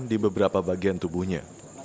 di beberapa bagian tubuhnya